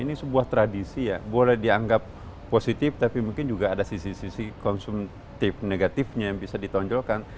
ini sebuah tradisi ya boleh dianggap positif tapi mungkin juga ada sisi sisi konsumtif negatifnya yang bisa ditonjolkan